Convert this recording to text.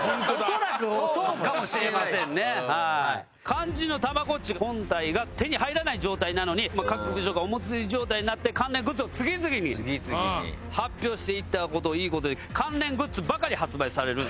肝心のたまごっち本体が手に入らない状態なのに各部署がお祭り状態になって関連グッズを次々に発表していった事をいい事に関連グッズばかり発売される